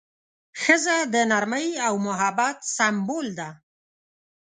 ښځه د نرمۍ او محبت سمبول ده.